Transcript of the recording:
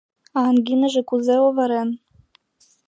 — А ангиныже кузе оварен?